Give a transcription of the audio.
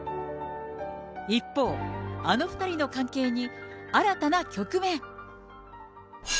一方、あの２人の関係に、新たな局面。